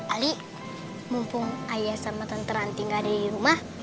ali mumpung ayah sama tenteran tinggal di rumah